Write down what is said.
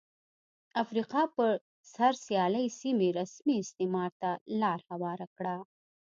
افریقا پر سر سیالۍ سیمې رسمي استعمار ته لار هواره کړه.